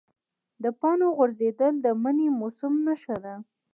د پاڼو غورځېدل د مني موسم نښه ده.